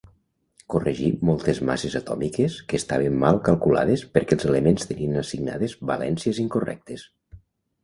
Corregí moltes masses atòmiques que estaven mal calculades perquè els elements tenien assignades valències incorrectes.